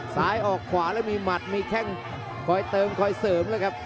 ซ้ายออกขวาแล้วมีหมัดมีแข้งคอยเติมคอยเสริมแล้วครับ